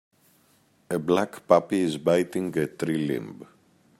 A black puppy is biting a tree limb.